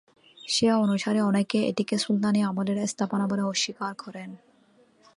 সে অনুসারে অনেকেই এটিকে সুলতানী আমলের স্থাপনা বলে অস্বীকার করেন।